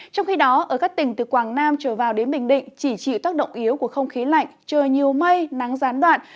trong khi đó ở các tỉnh từ quảng nam trở vào đến bình định chỉ chịu tác động yếu của không khí lạnh trời nhiều mây nắng gián đoạn